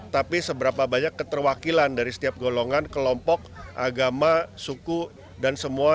tapi seberapa banyak keterwakilan dari setiap golongan kelompok agama suku dan semua